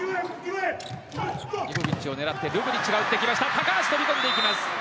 高橋、飛び込んでいきます。